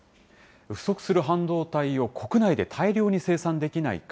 不足する半導体を国内で大量に生産できないか。